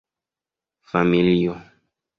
familio